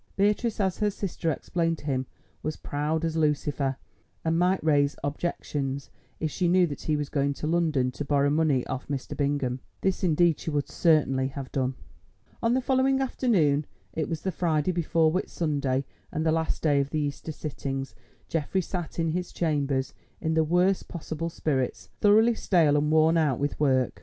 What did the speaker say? Beatrice, as her sister explained to him, was proud as Lucifer, and might raise objections if she knew that he was going to London to borrow money of Mr. Bingham. This indeed she would certainly have done. On the following afternoon—it was the Friday before Whit Sunday, and the last day of the Easter sittings—Geoffrey sat in his chambers, in the worst possible spirits, thoroughly stale and worn out with work.